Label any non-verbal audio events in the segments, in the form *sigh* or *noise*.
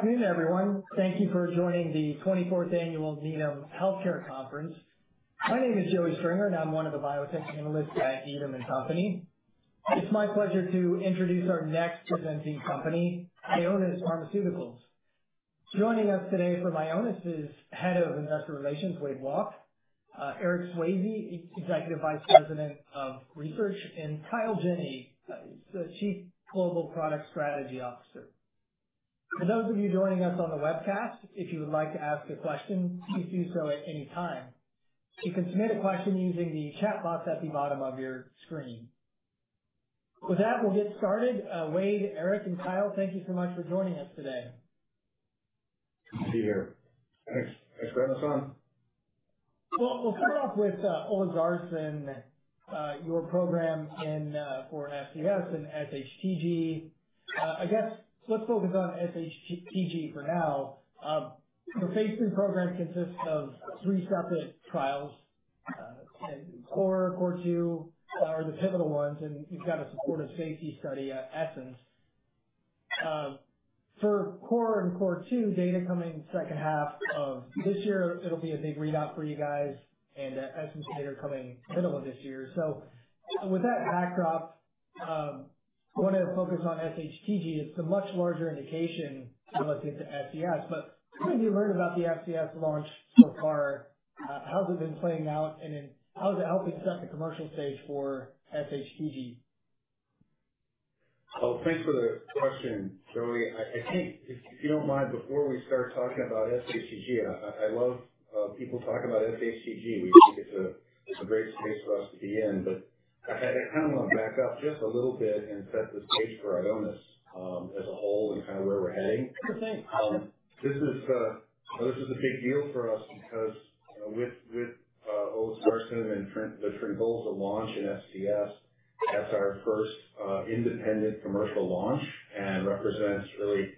Good afternoon, everyone. Thank you for joining the 24th Annual Needham Healthcare Conference. My name is Joey Stringer, and I'm one of the biotech analysts at Needham & Company. It's my pleasure to introduce our next presenting company, Ionis Pharmaceuticals. Joining us today from Ionis is Head of Investor Relations, Wade Walke, Eric Swayze, Executive Vice President of Research, and Kyle Jenne, Chief Global Product Strategy Officer. For those of you joining us on the webcast, if you would like to ask a question, please do so at any time. You can submit a question using the chat box at the bottom of your screen. With that, we'll get started. Wade, Eric, and Kyle, thank you so much for joining us today. Good to be here. Thanks for having us on. We'll start off with olezarsen, your program for FCS and sHTG. I guess let's focus on sHTG for now. Your phase III program consists of three separate trials: CORE, CORE2, are the pivotal ones, and you've got a supportive safety study at Essence. For CORE and CORE2, data coming second half of this year, it'll be a big readout for you guys, and Essence data coming middle of this year. With that backdrop, I want to focus on sHTG. It's a much larger indication relative to FCS, but what have you learned about the FCS launch so far? How's it been playing out, and how's it helping set the commercial stage for sHTG? Oh, thanks for the question, Joey. I think, if you don't mind, before we start talking about sHTG, I love people talking about sHTG. We think it's a great space for us to be in, but I kind of want to back up just a little bit and set the stage for Ionis as a whole and kind of where we're heading. This is a big deal for us because with olezarsen and the TRYNGOLZA launch in FCS, that's our first independent commercial launch and represents really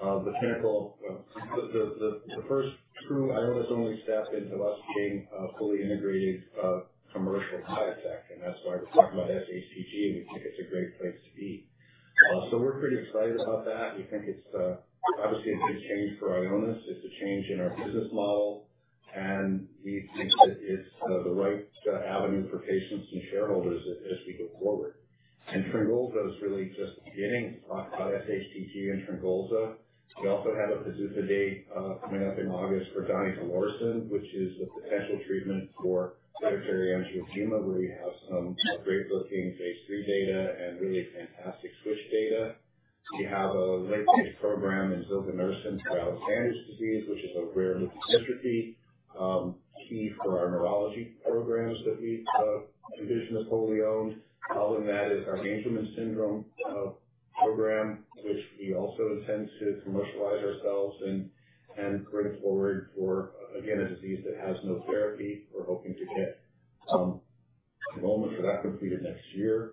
the pinnacle of the first true Ionis-only step into us being a fully integrated commercial biotech. That is why we're talking about sHTG, and we think it's a great place to be. We are pretty excited about that. We think it's obviously a big change for Ionis. It's a change in our business model, and we think that it's the right avenue for patients and shareholders as we go forward. TRYNGOLZA is really just beginning to talk about sHTG and TRYNGOLZA. We also have a PDUFA date coming up in August for donidalorsen, which is the potential treatment for Hereditary Angioedema, where we have some great-looking phase III data and really fantastic switch data. We have a late-stage program in zilganersen for Alexander disease, which is a rare leukodystrophy, key for our neurology programs that we envision as fully owned. Other than that, is our Angelman Syndrome program, which we also intend to commercialize ourselves and bring forward for, again, a disease that has no therapy. We're hoping to get enrollment for that completed next year.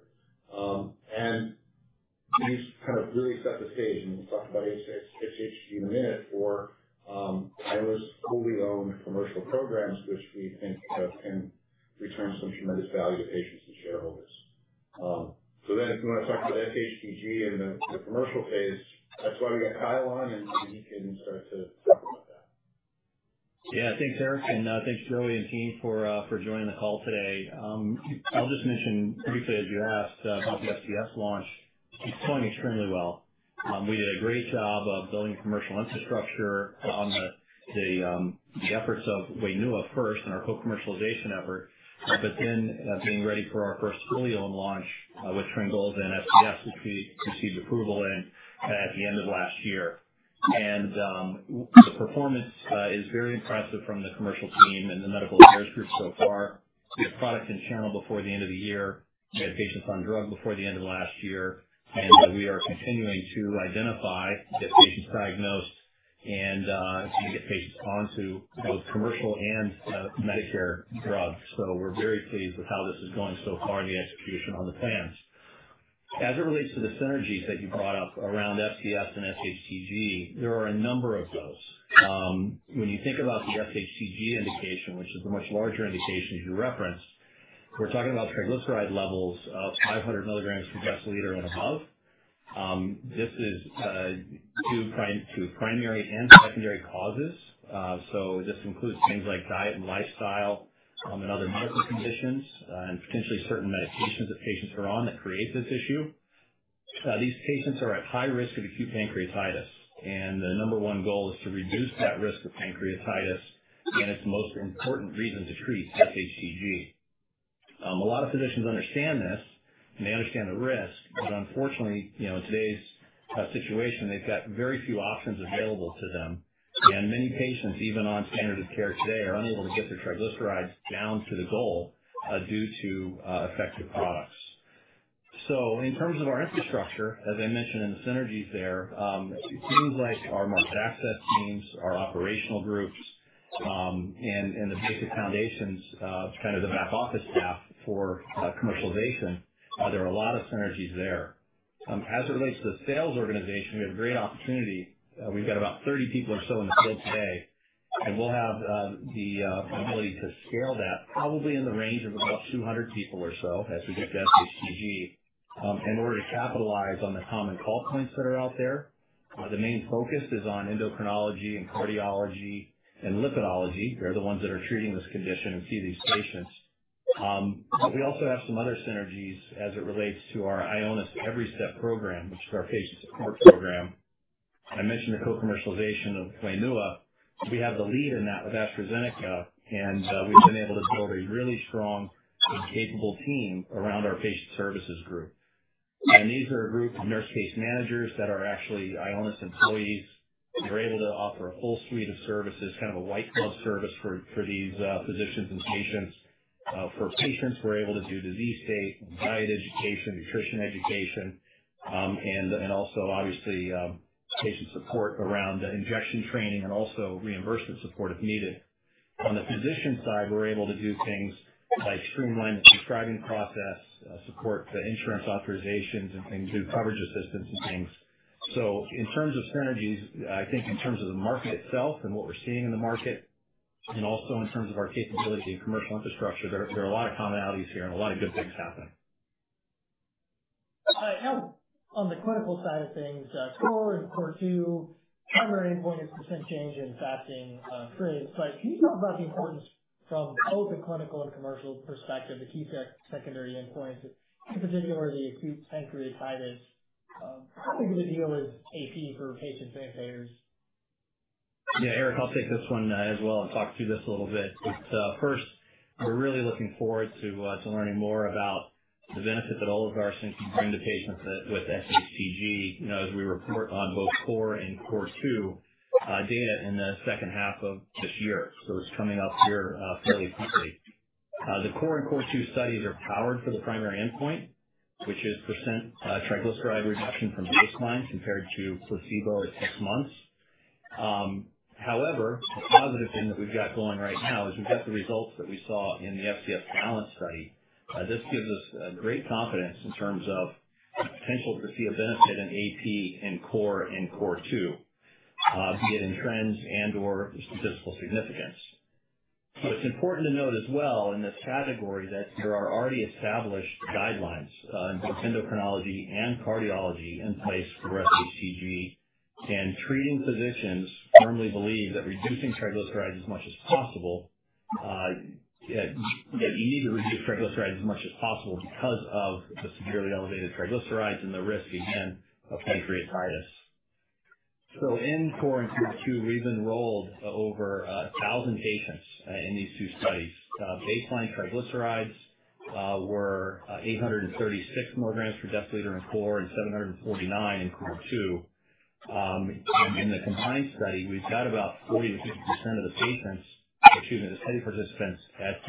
These kind of really set the stage, and we'll talk about sHTG in a minute, for Ionis' fully owned commercial programs, which we think can return some tremendous value to patients and shareholders. If you want to talk about sHTG and the commercial phase, that's why we got Kyle on, and he can start to talk about that. Yeah, thanks, Eric, and thanks, Joey, and team for joining the call today. I'll just mention briefly, as you asked, about the FCS launch. It's going extremely well. We did a great job of building commercial infrastructure on the efforts of WAINUA first and our co-commercialization effort, but then being ready for our first fully owned launch with TRYNGOLZA and FCS, which we received approval at the end of last year. The performance is very impressive from the commercial team and the medical affairs group so far. We have product in channel before the end of the year. We had patients on drug before the end of last year, and we are continuing to identify, get patients diagnosed, and get patients onto both commercial and Medicare drugs. We are very pleased with how this is going so far in the execution on the plans. As it relates to the synergies that you brought up around FCS and sHTG, there are a number of those. When you think about the sHTG indication, which is the much larger indication you referenced, we're talking about triglyceride levels of 500 mg per deciliter and above. This is due to primary and secondary causes. This includes things like diet and lifestyle and other medical conditions and potentially certain medications that patients are on that create this issue. These patients are at high risk of acute pancreatitis, and the number one goal is to reduce that risk of pancreatitis, and it's the most important reason to treat sHTG. A lot of physicians understand this, and they understand the risk, but unfortunately, in today's situation, they've got very few options available to them, and many patients, even on standard of care today, are unable to get their triglycerides down to the goal due to effective products. In terms of our infrastructure, as I mentioned in the synergies there, it seems like our market access teams, our operational groups, and the basic foundations, kind of the back office staff for commercialization, there are a lot of synergies there. As it relates to the sales organization, we have a great opportunity. We've got about 30 people or so in the field today, and we'll have the ability to scale that probably in the range of about 200 people or so as we get to sHTG in order to capitalize on the common call points that are out there. The main focus is on endocrinology and cardiology and lipidology. They're the ones that are treating this condition and see these patients. We also have some other synergies as it relates to our Ionis Every Step program, which is our patient support program. I mentioned the co-commercialization of WAINUA. We have the lead in that with AstraZeneca, and we've been able to build a really strong and capable team around our patient services group. These are a group of nurse case managers that are actually Ionis employees. They're able to offer a full suite of services, kind of a white glove service for these physicians and patients. For patients, we're able to do disease state, diet education, nutrition education, and also obviously patient support around injection training and also reimbursement support if needed. On the physician side, we're able to do things like streamline the prescribing process, support the insurance authorizations, and do coverage assistance and things. In terms of synergies, I think in terms of the market itself and what we're seeing in the market, and also in terms of our capability in commercial infrastructure, there are a lot of commonalities here and a lot of good things happen. Now, on the clinical side of things, CORE and CORE2, primary endpoint is percent change in fasting triglycerides, but can you talk about the importance from both the clinical and commercial perspective, the key secondary endpoint, in particular the acute pancreatitis? How big of a deal is AP for patients and payers? Yeah, Eric, I'll take this one as well and talk through this a little bit. First, we're really looking forward to learning more about the benefit that olezarsen can bring to patients with sHTG as we report on both CORE and CORE2 data in the second half of this year. It is coming up here fairly promptly. The CORE and CORE2 studies are powered for the primary endpoint, which is percent triglyceride reduction from baseline compared to placebo at six months. However, the positive thing that we've got going right now is we've got the results that we saw in the FCS Balance study. This gives us great confidence in terms of potential to see a benefit in AP in CORE and CORE2, be it in trends and/or statistical significance. It's important to note as well in this category that there are already established guidelines in both endocrinology and cardiology in place for sHTG, and treating physicians firmly believe that reducing triglycerides as much as possible, that you need to reduce triglycerides as much as possible because of the severely elevated triglycerides and the risk, again, of pancreatitis. In CORE and CORE2, we've enrolled over 1,000 patients in these two studies. Baseline triglycerides were 836 mg per deciliter in CORE and 749 in CORE2. In the combined study, we've got about 40-50% of the patients, excuse me, the study participants, at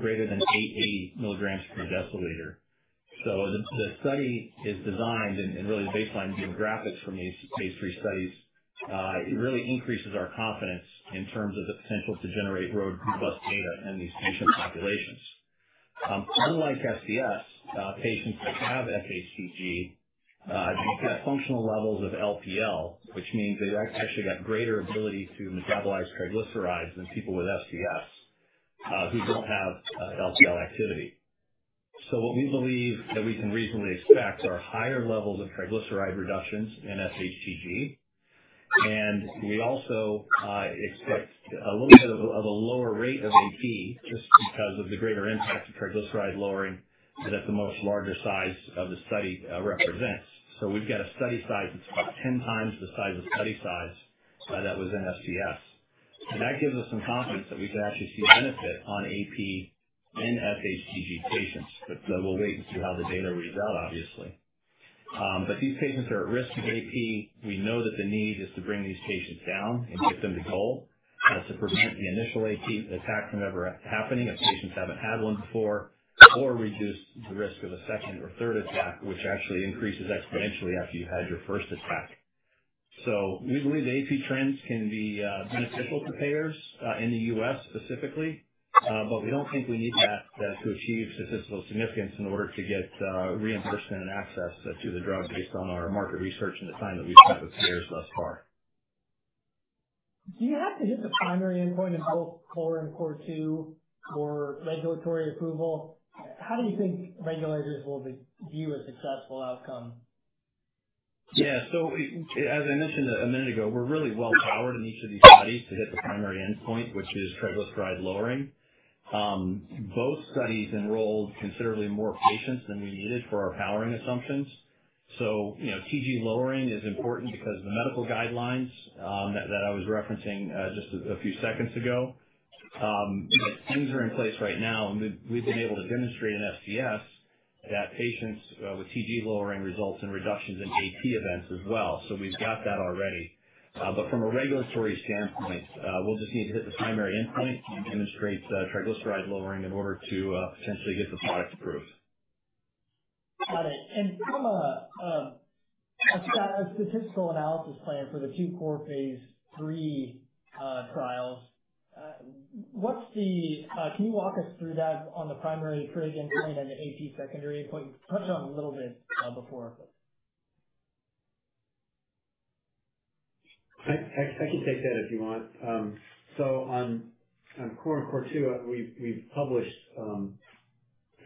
greater than 880 mg per deciliter. The study is designed, and really the baseline demographics from these phase III studies really increases our confidence in terms of the potential to generate robust data in these patient populations. Unlike FCS, patients that have sHTG, they've got functional levels of LPL, which means they've actually got greater ability to metabolize triglycerides than people with FCS who don't have LPL activity. What we believe that we can reasonably expect are higher levels of triglyceride reductions in sHTG, and we also expect a little bit of a lower rate of AP just because of the greater impact of triglyceride lowering that the much larger size of the study represents. We've got a study size that's about 10 times the size of study size that was in FCS. That gives us some confidence that we can actually see a benefit on AP in sHTG patients, but we'll wait and see how the data reads out, obviously. These patients are at risk of AP. We know that the need is to bring these patients down and get them to goal to prevent the initial AP attack from ever happening if patients haven't had one before or reduce the risk of a second or third attack, which actually increases exponentially after you've had your first attack. We believe the AP trends can be beneficial to payers in the US specifically, but we don't think we need that to achieve statistical significance in order to get reimbursement and access to the drug based on our market research and the time that we've spent with payers thus far. Do you have to hit the primary endpoint in both CORE and CORE2 for regulatory approval? How do you think regulators will view a successful outcome? Yeah, as I mentioned a minute ago, we're really well-powered in each of these studies to hit the primary endpoint, which is triglyceride lowering. Both studies enrolled considerably more patients than we needed for our powering assumptions. TG lowering is important because of the medical guidelines that I was referencing just a few seconds ago. Things are in place right now, and we've been able to demonstrate in FCS that patients with TG lowering results in reductions in AP events as well. We've got that already. From a regulatory standpoint, we'll just need to hit the primary endpoint and demonstrate triglyceride lowering in order to potentially get the product approved. Got it. From a statistical analysis plan for the two CORE phase III trials, can you walk us through that on the primary trig endpoint and the AP secondary endpoint? You touched on it a little bit before. I can take that if you want. On CORE and CORE2, we've published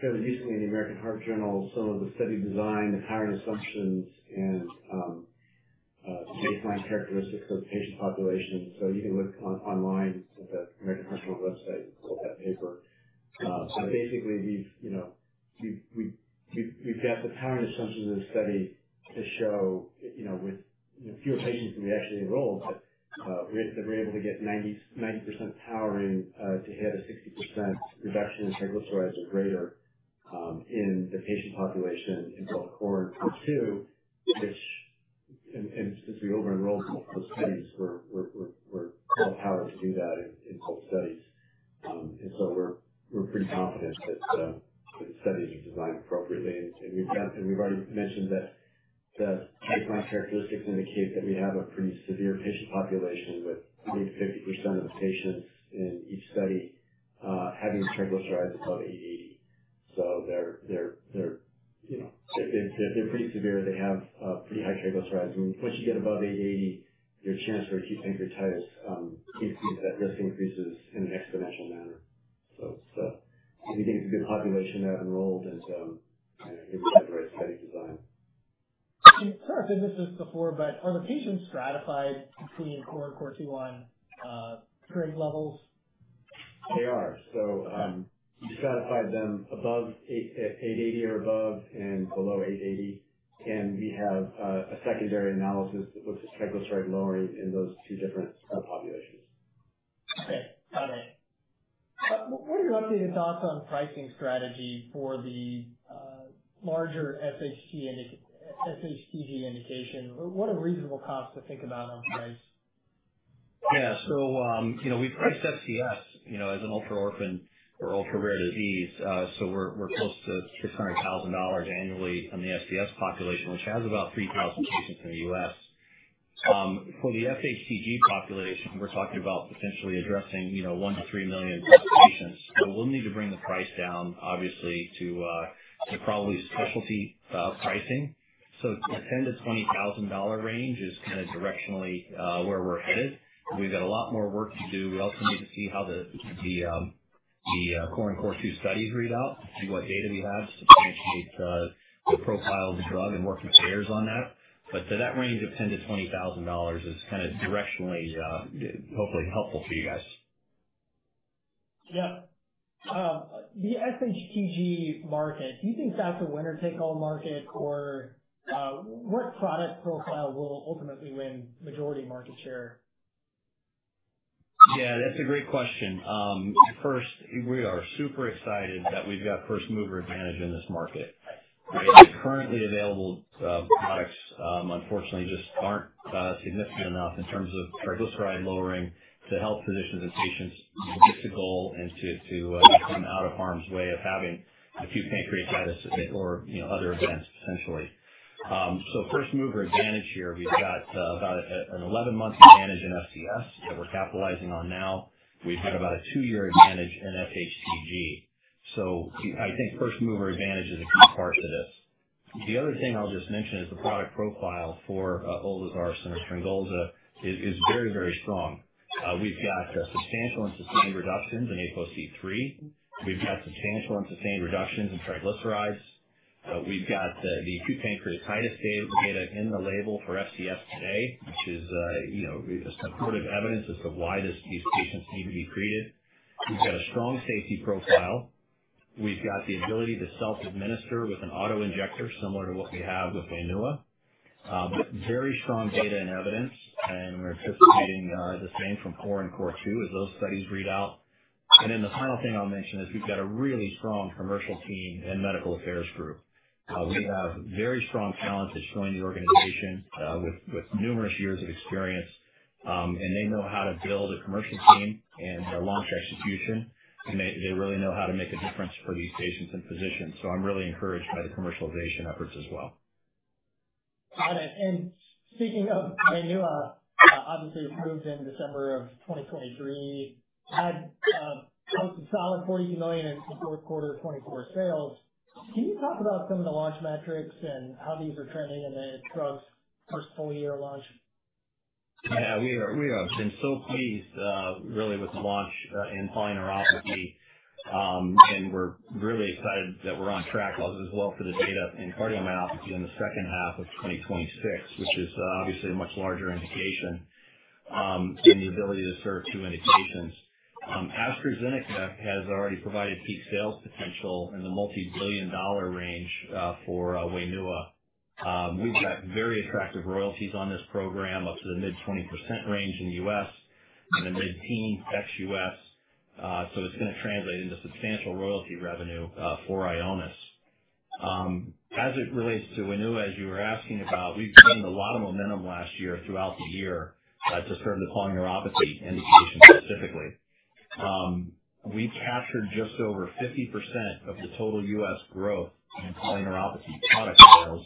fairly recently in the American Heart Journal some of the study design, the powering assumptions, and baseline characteristics of the patient population. You can look online at the American Heart Journal website and pull up that paper. Basically, we've got the powering assumptions in the study to show with fewer patients than we actually enrolled that we're able to get 90% powering to hit a 60% reduction in triglycerides or greater in the patient population in both CORE and CORE2, which, since we over-enrolled in both those studies, we're well-powered to do that in both studies. We're pretty confident that the studies are designed appropriately. We have already mentioned that the baseline characteristics indicate that we have a pretty severe patient population with only 50% of the patients in each study having triglycerides above 880. They are pretty severe. They have pretty high triglycerides. Once you get above 880, your chance for acute pancreatitis increases, that risk increases in an exponential manner. We think it is a good population to have enrolled, and it would be a very steady design. Sorry if I missed this before, but are the patients stratified between CORE and CORE2 on trig levels? They are. We stratified them above 880 or above and below 880, and we have a secondary analysis that looks at triglyceride lowering in those two different populations. Okay. Got it. What are your updated thoughts on pricing strategy for the larger FCS indication? What are reasonable costs to think about on price? Yeah. So we've priced FCS as an ultra-orphan or ultra-rare disease. So we're close to $600,000 annually on the FCS population, which has about 3,000 patients in the U.S. For the sHTG population, we're talking about potentially addressing 1 million-3 million patients. So we'll need to bring the price down, obviously, to probably specialty pricing. So the $10,000-$20,000 range is kind of directionally where we're headed. We've got a lot more work to do. We also need to see how the CORE and CORE2 studies read out, see what data we have to differentiate the profile of the drug and work with payers on that. That range of $10,000-$20,000 is kind of directionally, hopefully, helpful for you guys. Yeah. The FCS market, do you think that's a winner-take-all market, or what product profile will ultimately win majority market share? Yeah, that's a great question. First, we are super excited that we've got first-mover advantage in this market. Currently available products, unfortunately, just aren't significant enough in terms of triglyceride lowering to help physicians and patients reach the goal and to come out of harm's way of having acute pancreatitis or other events, essentially. First-mover advantage here, we've got about an 11-month advantage in FCS that we're capitalizing on now. We've had about a two-year advantage in sHTG. I think first-mover advantage is a key part to this. The other thing I'll just mention is the product profile for olezarsen and TRYNGOLZA is very, very strong. We've got substantial and sustained reductions in ApoC-III. We've got substantial and sustained reductions in triglycerides. We've got the acute pancreatitis data in the label for FCS today, which is supportive evidence as to why these patients need to be treated. We've got a strong safety profile. We've got the ability to self-administer with an auto injector similar to what we have with WAINUA. Very strong data and evidence, and we're anticipating the same from CORE and CORE2 as those studies read out. The final thing I'll mention is we've got a really strong commercial team and medical affairs group. We have very strong talent that's joined the organization with numerous years of experience, and they know how to build a commercial team and launch execution, and they really know how to make a difference for these patients and physicians. I'm really encouraged by the commercialization efforts as well. Got it. And speaking of WAINUA, obviously approved in December of 2023, had most of solid $42 million in the fourth quarter of 2024 sales. Can you talk about some of the launch metrics and how these are trending in the drug's first full-year launch? Yeah. We have been so pleased, really, with the launch in polyneuropathy, and we're really excited that we're on track as well for the data in cardiomyopathy in the second half of 2026, which is obviously a much larger indication in the ability to serve two indications. AstraZeneca has already provided peak sales potential in the multi-billion dollar range for WAINUA. We've got very attractive royalties on this program up to the mid-20% range in the U.S., in the mid-teens ex U.S. It is going to translate into substantial royalty revenue for Ionis. As it relates to WAINUA, as you were asking about, we've gained a lot of momentum last year throughout the year to serve the polyneuropathy indication specifically. We've captured just over 50% of the total U.S. growth in polyneuropathy product sales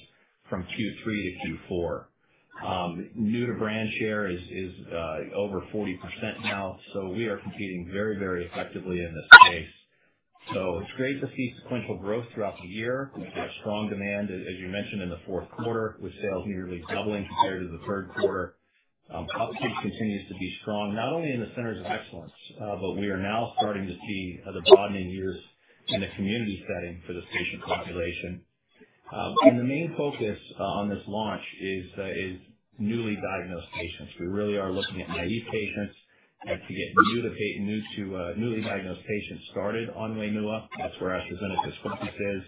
from Q3 to Q4. New to brand share is over 40% now, so we are competing very, very effectively in this space. It is great to see sequential growth throughout the year. We have strong demand, as you mentioned, in the fourth quarter, with sales nearly doubling compared to the third quarter. Upkeep continues to be strong, not only in the centers of excellence, but we are now starting to see the broadening years in the community setting for this patient population. The main focus on this launch is newly diagnosed patients. We really are looking at naive patients to get new to diagnosed patients started on WAINUA. That is where AstraZeneca's focus is.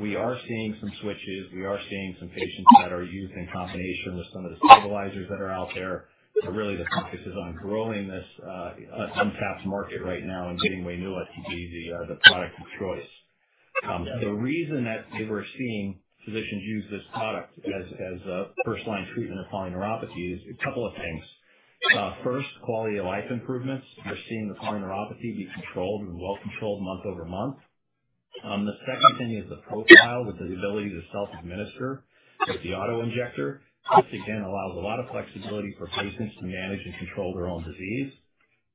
We are seeing some switches. We are seeing some patients that are used in combination with some of the stabilizers that are out there. Really, the focus is on growing this untapped market right now and getting WAINUA to be the product of choice. The reason that we're seeing physicians use this product as a first-line treatment of polyneuropathy is a couple of things. First, quality of life improvements. We're seeing the polyneuropathy be controlled and well-controlled month over month. The second thing is the profile with the ability to self-administer with the auto injector. This, again, allows a lot of flexibility for patients to manage and control their own disease.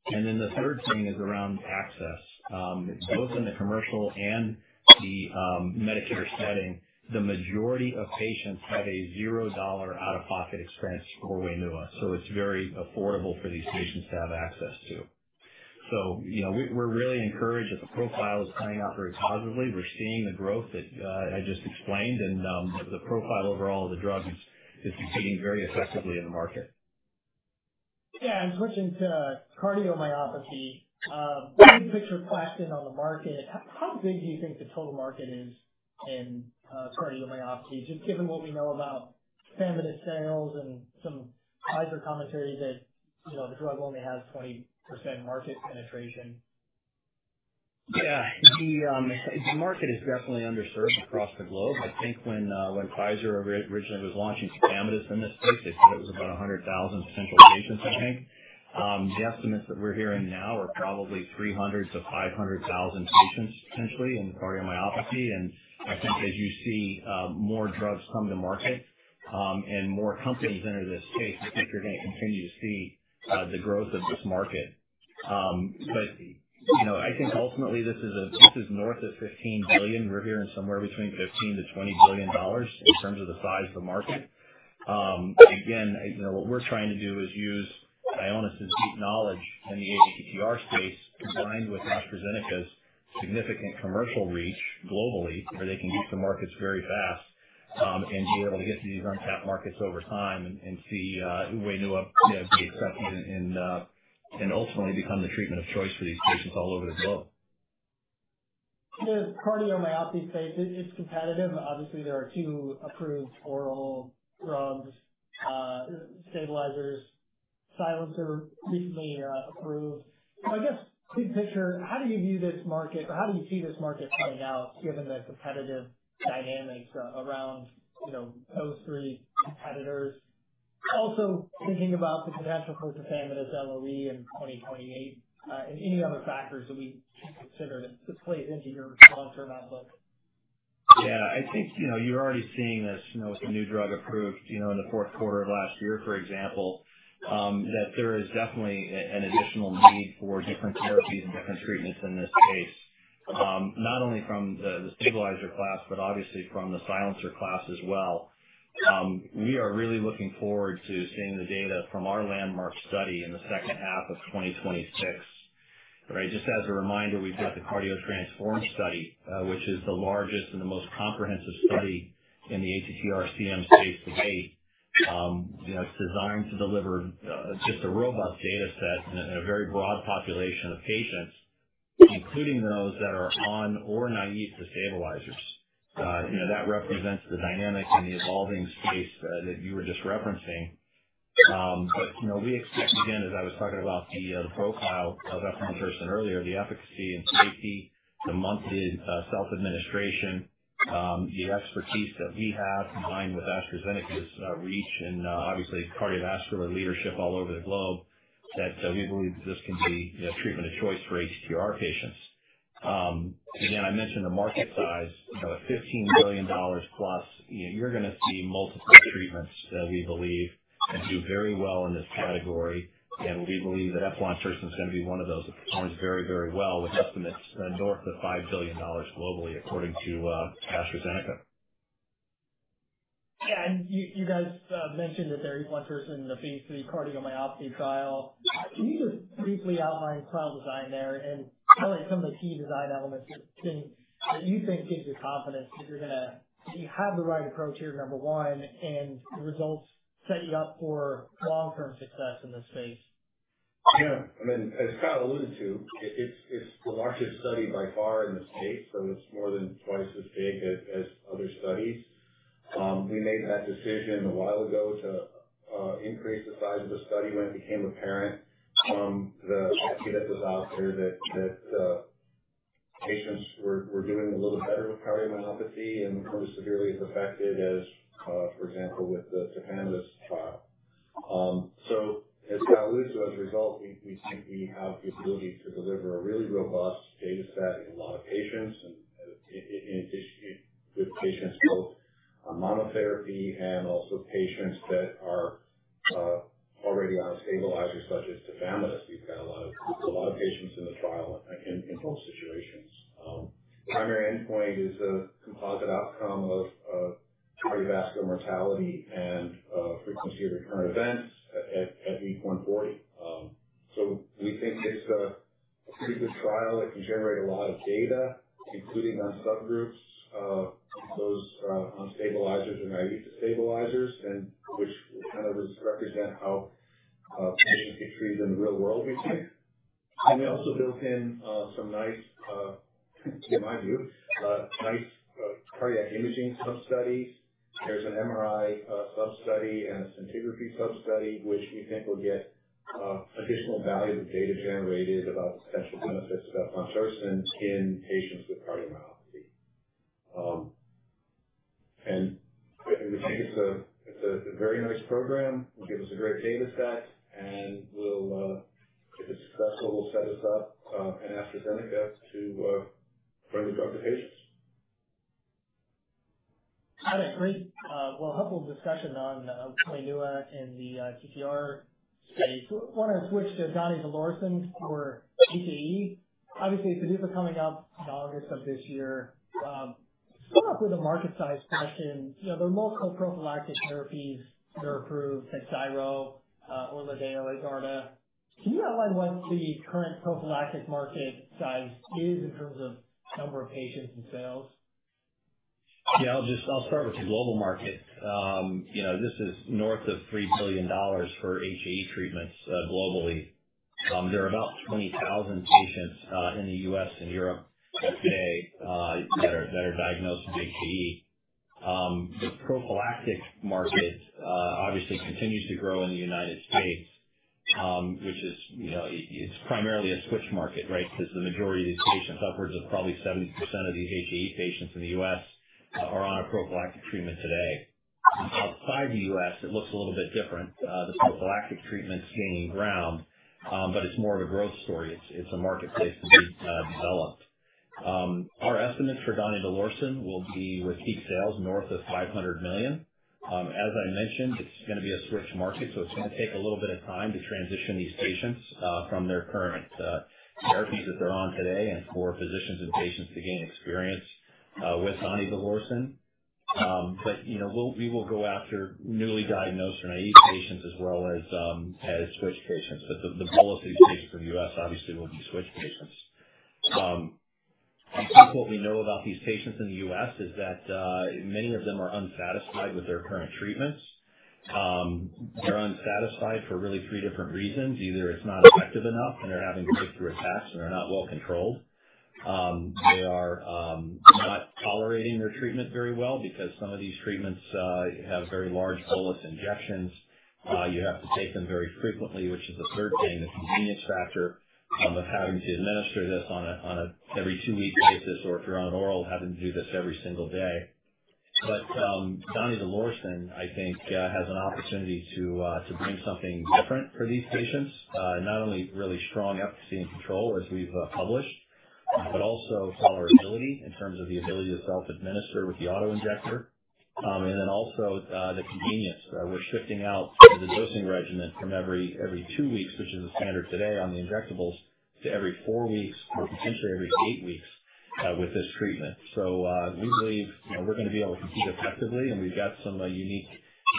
The third thing is around access. Both in the commercial and the Medicare setting, the majority of patients have a $0 out-of-pocket expense for WAINUA. It is very affordable for these patients to have access to. We are really encouraged that the profile is playing out very positively. We're seeing the growth that I just explained, and the profile overall of the drug is competing very effectively in the market. Yeah. Switching to cardiomyopathy, big picture question on the market. How big do you think the total market is in cardiomyopathy, just given what we know about tafamidis sales and some Pfizer commentary that the drug only has 20% market penetration? Yeah. The market is definitely underserved across the globe. I think when Pfizer originally was launching tafamidis in this space, they said it was about 100,000 potential patients, I think. The estimates that we're hearing now are probably 300,000-500,000 patients potentially in cardiomyopathy. I think as you see more drugs come to market and more companies enter this space, I think you're going to continue to see the growth of this market. I think ultimately this is north of $15 billion. We're hearing somewhere between $15 billion-$20 billion in terms of the size of the market. Again, what we're trying to do is use Ionis's deep knowledge in the ATTR space, combined with AstraZeneca's significant commercial reach globally, where they can hit the markets very fast and be able to get to these untapped markets over time and see WAINUA be accepted and ultimately become the treatment of choice for these patients all over the globe. The cardiomyopathy space, it's competitive. Obviously, there are two approved oral drugs, stabilizers, silencer recently approved. I guess, big picture, how do you view this market, or how do you see this market playing out given the competitive dynamics around those three competitors? Also thinking about the potential for tafamidis LOE in 2028, and any other factors that we should consider that play into your long-term outlook? Yeah. I think you're already seeing this with the new drug approved in the fourth quarter of last year, for example, that there is definitely an additional need for different therapies and different treatments in this space, not only from the stabilizer class, but obviously from the silencer class as well. We are really looking forward to seeing the data from our landmark study in the second half of 2026. Right? Just as a reminder, we've got the CARDIO-TTRansform study, which is the largest and the most comprehensive study in the ATTR-CM space to date. It's designed to deliver just a robust data set in a very broad population of patients, including those that are on or naive to stabilizers. That represents the dynamic and the evolving space that you were just referencing. We expect, again, as I was talking about the profile of WAINUA earlier, the efficacy and safety, the monthly self-administration, the expertise that we have combined with AstraZeneca's reach and obviously cardiovascular leadership all over the globe, that we believe this can be a treatment of choice for ATTR patients. Again, I mentioned the market size, $15 billion+, you're going to see multiple treatments, we believe, and do very well in this category. We believe that WAINUA is going to be one of those that performs very, very well, with estimates north of $5 billion globally, according to AstraZeneca. Yeah. You guys mentioned that there is one person in the phase III cardiomyopathy trial. Can you just briefly outline the trial design there and highlight some of the key design elements that you think give you confidence that you're going to have the right approach here, number one, and the results set you up for long-term success in this space? Yeah. I mean, as Kyle alluded to, it's the largest study by far in the state, so it's more than twice as big as other studies. We made that decision a while ago to increase the size of the study when it became apparent from the study that was out there that patients were doing a little better with cardiomyopathy and were more severely affected as, for example, with the tafamidis trial. I mean, as Kyle alluded to, as a result, we think we have the ability to deliver a really robust data set in a lot of patients, with patients both on monotherapy and also patients that are already on a stabilizer such as tafamidis. We've got a lot of patients in the trial in both situations. Primary endpoint is a composite outcome of cardiovascular mortality and frequency of recurrent events at week 140. We think it's a pretty good trial. It can generate a lot of data, including on subgroups, those on stabilizers and naive to stabilizers, which kind of represent how patients get treated in the real world, we think. We also built in some nice, in my view, nice cardiac imaging sub-studies. There's an MRI sub-study and a scintigraphy sub-study, which we think will get additional valuable data generated about the potential benefits of *audio distortion* in patients with cardiomyopathy. We think it's a very nice program. It'll give us a great data set, and if it's successful, will set us up and AstraZeneca to bring the drug to patients. Got it. Great. Helpful discussion on WAINUA and the ATTR study. I want to switch to donidalorsen for HAE. Obviously, it's a new drug coming out in August of this year. Start off with a market size question. There are multiple prophylactic therapies that are approved, like TAKHZYRO, ORLADEYO, Haegarda. Can you outline what the current prophylactic market size is in terms of number of patients and sales? Yeah. I'll start with the global market. This is north of $3 billion for HAE treatments globally. There are about 20,000 patients in the U.S. and Europe today that are diagnosed with HAE. The prophylactic market obviously continues to grow in the United States, which is primarily a switch market, right, because the majority of these patients, upwards of probably 70% of these HAE patients in the U.S., are on a prophylactic treatment today. Outside the U.S., it looks a little bit different. The prophylactic treatment's gaining ground, but it's more of a growth story. It's a marketplace to be developed. Our estimates for donidalorsen will be with peak sales north of $500 million. As I mentioned, it's going to be a switch market, so it's going to take a little bit of time to transition these patients from their current therapies that they're on today and for physicians and patients to gain experience with donidalorsen. We will go after newly diagnosed or naive patients as well as switch patients. The bulk of these patients in the U.S. obviously will be switch patients. I think what we know about these patients in the U.S. is that many of them are unsatisfied with their current treatments. They're unsatisfied for really three different reasons. Either it's not effective enough, and they're having breakthrough attacks, and they're not well-controlled. They are not tolerating their treatment very well because some of these treatments have very large bolus injections. You have to take them very frequently, which is the third thing, the convenience factor of having to administer this on an every two-week basis or if you're on an oral, having to do this every single day. But donidalorsen, I think, has an opportunity to bring something different for these patients, not only really strong efficacy and control as we've published, but also tolerability in terms of the ability to self-administer with the auto injector. And then also the convenience. We're shifting out the dosing regimen from every two weeks, which is the standard today on the injectables, to every four weeks or potentially every eight weeks with this treatment. We believe we're going to be able to compete effectively, and we've got some unique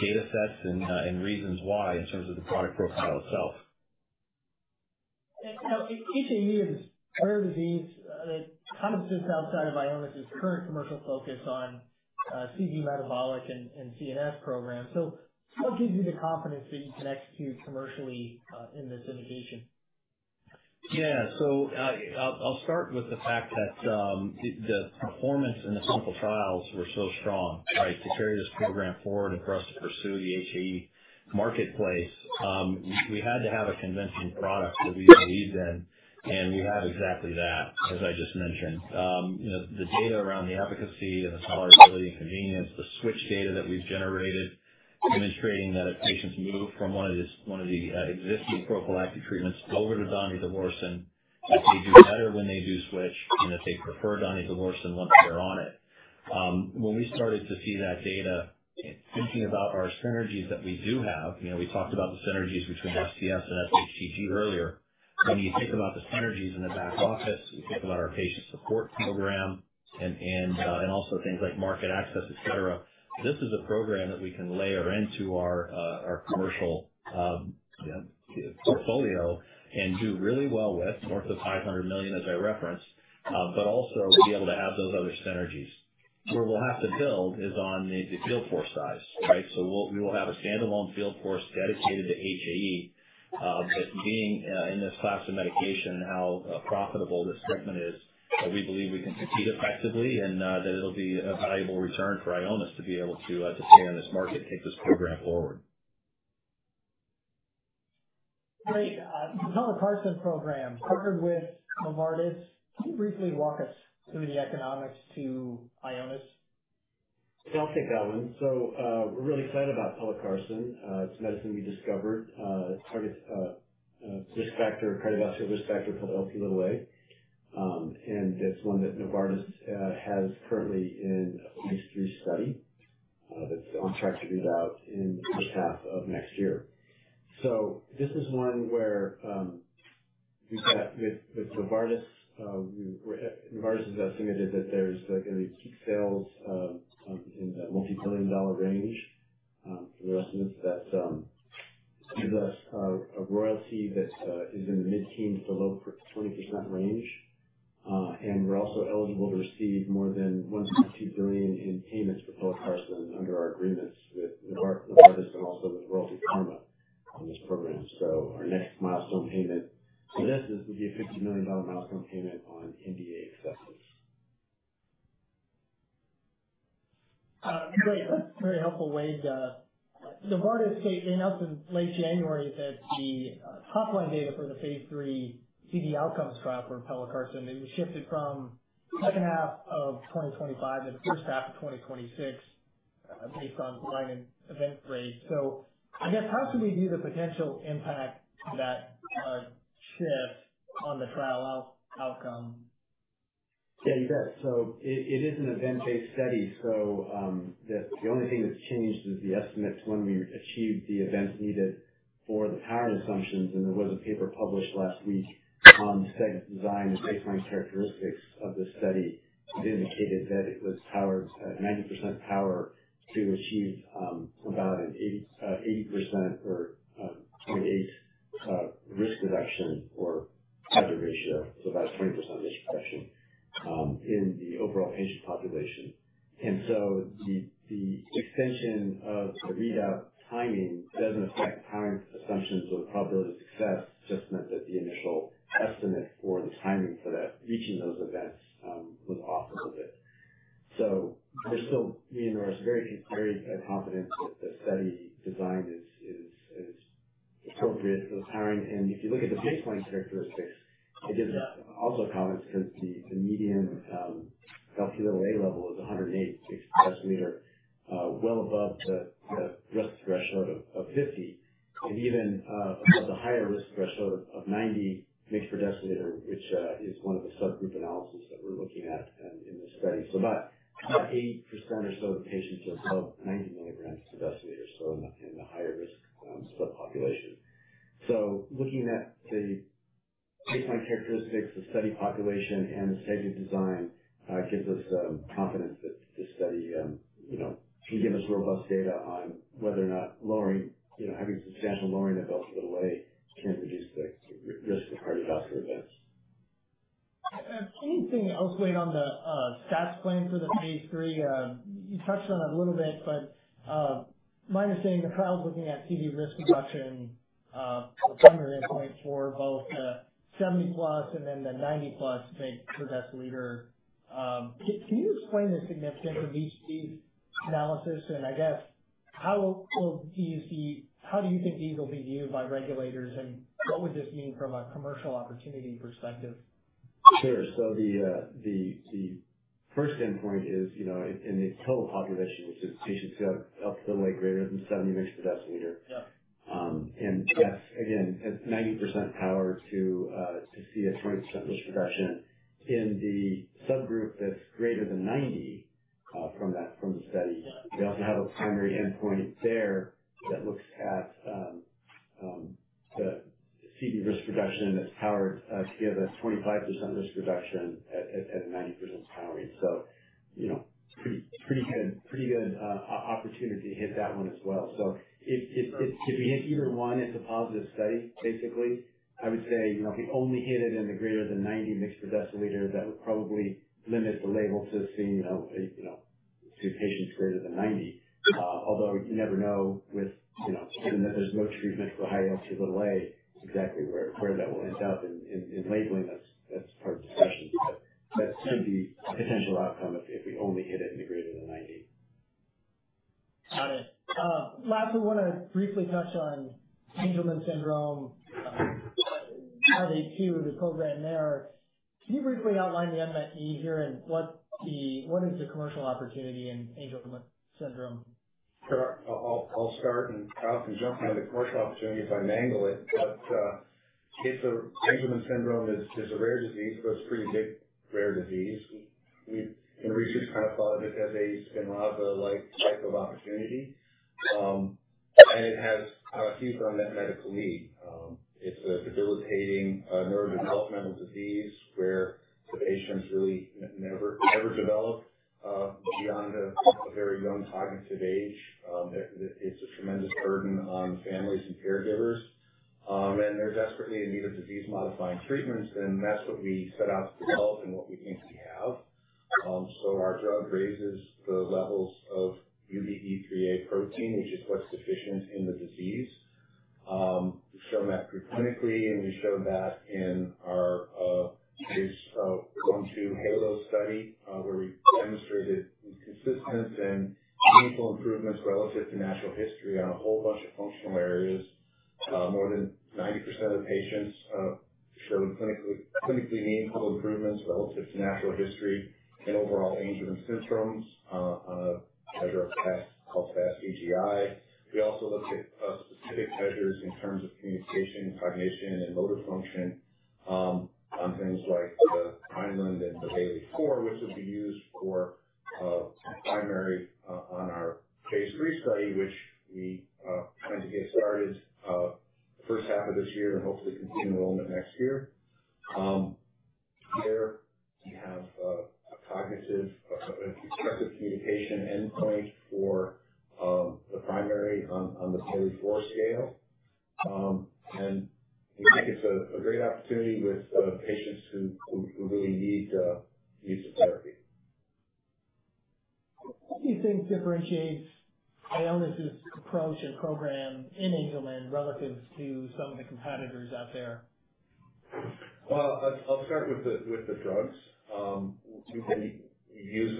data sets and reasons why in terms of the product profile itself. Now, HAE is a rare disease that kind of sits outside of Ionis's current commercial focus on CV metabolic and CNS programs. What gives you the confidence that you can execute commercially in this indication? Yeah. I'll start with the fact that the performance in the clinical trials was so strong, right, to carry this program forward and for us to pursue the HAE marketplace. We had to have a convention product that we believed in, and we have exactly that, as I just mentioned. The data around the efficacy and the tolerability and convenience, the switch data that we've generated demonstrating that if patients move from one of the existing prophylactic treatments over to donidalorsen, they do better when they do switch, and they prefer donidalorsen once they're on it. When we started to see that data, thinking about our synergies that we do have, we talked about the synergies between FCS and sHTG earlier. When you think about the synergies in the back office, you think about our patient support program and also things like market access, etc. This is a program that we can layer into our commercial portfolio and do really well with, north of $500 million, as I referenced, but also be able to have those other synergies. Where we will have to build is on the field force size, right? We will have a standalone field force dedicated to HAE. Being in this class of medication and how profitable this treatment is, we believe we can compete effectively and that it will be a valuable return for Ionis to be able to stay on this market, take this program forward. Great. The pelacarsen program, partnered with Novartis. Can you briefly walk us through the economics to Ionis? I'll take that one. We're really excited about pelacarsen. It's a medicine we discovered. It's a risk factor, cardiovascular risk factor called Lp(a) and it's one that Novartis has currently in phase III study that's on track to be out in the first half of next year. This is one where we've got with Novartis, Novartis has estimated that there's going to be peak sales in the multi-billion dollar range for the residents that gives us a royalty that is in the mid-teens to low 20% range. We're also eligible to receive more than $1.2 billion in payments for pelacarsen under our agreements with Novartis and also with Royalty Pharma on this program. Our next milestone payment for this would be a $50 million milestone payment on NDA acceptance. Great. That's a very helpful Wade. Novartis stating up in late January that the top line data for the phase III CV outcomes trial for pelacarsen, it was shifted from the second half of 2025 to the first half of 2026 based on blinded event rates. I guess, how should we view the potential impact of that shift on the trial outcome? Yeah, you bet. It is an event-based study. The only thing that's changed is the estimates when we achieved the events needed for the power assumptions. There was a paper published last week on the study design and baseline characteristics of this study. It indicated that it was powered at 90% power to achieve about an 80% or 20% risk reduction or hazard ratio, so about a 20% risk reduction in the overall patient population. The extension of the readout timing doesn't affect power assumptions, so the probability of success just meant that the initial estimate for the timing for reaching those events was off a little bit. We are very confident that the study design is appropriate for the powering. If you look at the baseline characteristics, it gives us also confidence because the median Lp(a) level is 108 per deciliter, well above the risk threshold of 50. Even above the higher risk threshold of 90 mg per deciliter, which is one of the subgroup analyses that we're looking at in this study. About 80% or so of the patients are above 90 mg per deciliter, in the higher risk subpopulation. Looking at the baseline characteristics, the study population, and the study design gives us confidence that this study can give us robust data on whether or not having substantial lowering of Lp(a) can reduce the risk of cardiovascular events. Anything else weighed on the stats plan for the phase III? You touched on it a little bit, but my understanding of the trial is looking at CV risk reduction from the endpoint for both the 70+ and then the 90+ per deciliter. Can you explain the significance of these analyses? I guess, how will these be how do you think these will be viewed by regulators? What would this mean from a commercial opportunity perspective? Sure. The first endpoint is in the total population, which is patients who have Lp(a) greater than 70 mg per deciliter. That is, again, 90% power to see a 20% risk reduction. In the subgroup that is greater than 90 from the study, we also have a primary endpoint there that looks at the CV risk reduction that is powered to give us 25% risk reduction at a 90% powering. Pretty good opportunity to hit that one as well. If we hit either one, it is a positive study, basically. I would say if we only hit it in the greater than 90 mg per deciliter, that would probably limit the label to patients greater than 90. Although you never know, given that there is no treatment for high Lp(a), exactly where that will end up in labeling, that is part of the discussion. That could be a potential outcome if we only hit it in the greater than 90. Got it. Last, we want to briefly touch on Angelman Syndrome, how they tier the program there? Can you briefly outline the MOA here and what is the commercial opportunity in Angelman Syndrome? I'll start and jump into the commercial opportunity if I mangle it. Angelman Syndrome is a rare disease, but it's a pretty big rare disease. In research, kind of thought of it as a Spinraza-like type of opportunity. It has a huge unmet medical need. It's a debilitating neurodevelopmental disease where the patients really never develop beyond a very young cognitive age. It's a tremendous burden on families and caregivers. They're desperately in need of disease-modifying treatments, and that's what we set out to develop and what we think we have. Our drug raises the levels of UBE3A protein, which is what's deficient in the disease. We've shown that preclinically, and we showed that in our phase I of HALOS study where we demonstrated consistent and meaningful improvements relative to natural history on a whole bunch of functional areas. More than 90% of the patients showed clinically meaningful improvements relative to natural history and overall Angelman Syndrome measure of test called AS-CGI. We also looked at specific measures in terms of communication, cognition, and motor function on things like the Vineland and the Bayley-4, which would be used for primary on our phase III study, which we plan to get started the first half of this year and hopefully complete enrollment next year. There we have a cognitive expressive communication endpoint for the primary on the Bayley-4 scale. We think it's a great opportunity with patients who really need to use the therapy. What do you think differentiates Ionis's approach and program in Angelman relative to some of the competitors out there? I'll start with the drugs. We use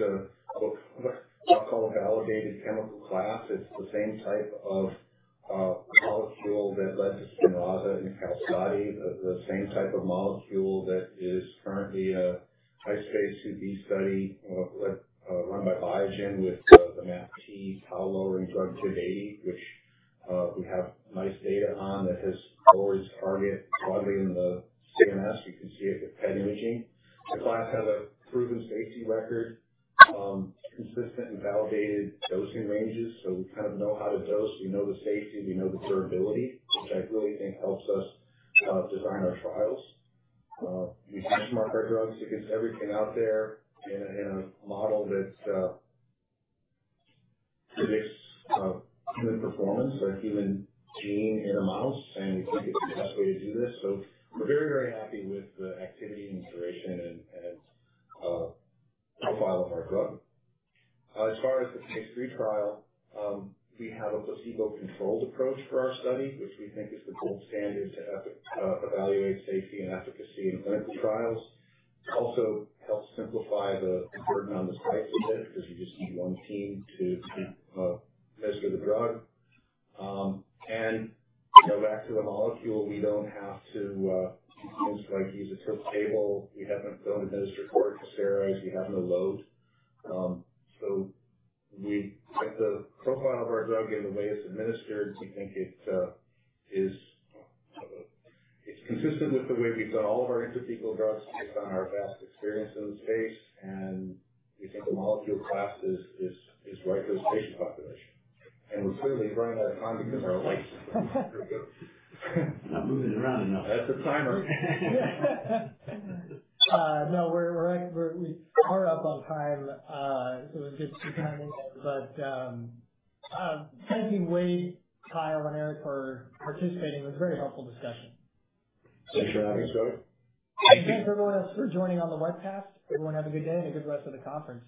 what I'll call a validated chemical class. It's the same type of molecule that led to Spinraza and the same type of molecule that is currently a phase I-B study run by Biogen with the MAPT tau-lowering drug BIIB080, which we have nice data on that has lowered target broadly in the CNS. You can see it with PET imaging. The class has a proven safety record, consistent and validated dosing ranges. We kind of know how to dose. We know the safety. We know the durability, which I really think helps us design our trials. We benchmark our drugs against everything out there in a model that predicts human performance or human gene in a mouse, and we think it's the best way to do this. We're very, very happy with the activity and duration and profile of our drug. As far as the phase III trial, we have a placebo-controlled approach for our study, which we think is the gold standard to evaluate safety and efficacy in clinical trials. It also helps simplify the burden on the site a bit because you just need one team to measure the drug. Back to the molecule, we don't have to use a tilt table. We don't administer corticosteroids. We have no load. The profile of our drug and the way it's administered, we think it's consistent with the way we've done all of our intrathecal drugs based on our vast experience in the space. We think the molecule class is right for this patient population. We're clearly running out of time because our lights are going off. Not moving around enough. That's a timer. No, we are up on time. It was good to see you coming in. Thank you, Wade, Kyle, and Eric for participating. It was a very helpful discussion. Thanks for having us, Joe. Thanks everyone else for joining on the webcast. Everyone have a good day and a good rest of the conference.